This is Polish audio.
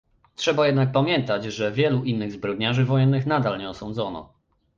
Trzeba jednak pamiętać, że wielu innych zbrodniarzy wojennych nadal nie osądzono